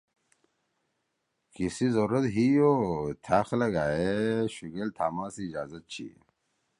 کِسی ضرورت ہی یو تھأ خلقغائے شوگیل تھاما سی اجازت چھی۔